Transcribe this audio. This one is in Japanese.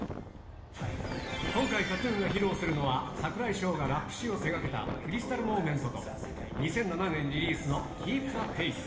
今回ＫＡＴーＴＵＮが披露するのは、櫻井翔がラップ詩を手がけた、ＣＲＹＳＴＡＬＭＯＭＥＮＴと、２００７年リリースのＫｅｅｐｔｈｅｆａｉｔｈ。